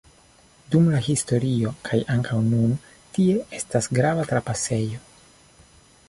Dum la historio, kaj ankaŭ nun tie estas grava trapasejo.